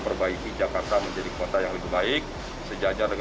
perbaiki jakarta menjadi kota yang lebih baik sejajar dengan